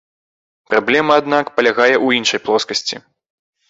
Праблема, аднак, палягае ў іншай плоскасці.